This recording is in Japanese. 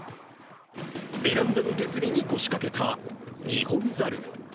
ベランダの手すりに腰掛けたニホンザル。